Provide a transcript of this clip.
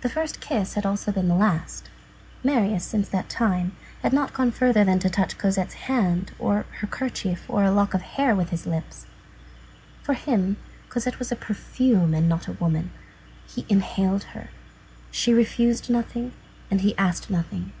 The first kiss had also been the last. Marius, since that time, had not gone further than to touch Cosette's hand, or her kerchief, or a lock of her hair, with his lips. For him, Cosette was a perfume and not a woman. He inhaled her. She refused nothing, and he asked nothing.